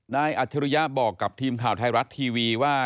อัจฉริยะบอกกับทีมข่าวไทยรัฐทีวีว่า